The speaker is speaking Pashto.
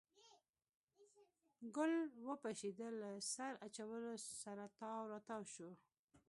ګلی وپشېده له سر اچولو سره تاو راتاو شو.